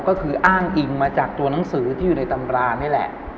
ก็คืออ้างอิงมาจากตัวหนังสือที่อยู่ในตำรานี่แหละ